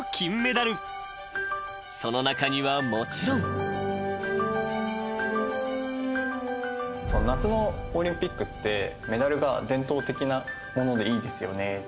［その中にはもちろん］夏のオリンピックってメダルが伝統的なものでいいですよね。